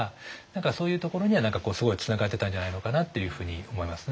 何かそういうところには何かすごいつながってたんじゃないのかなっていうふうに思いますね。